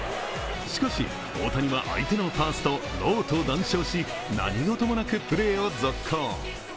しかし、大谷は相手のファースト・ロウと談笑し、何事もなくプレーを続行。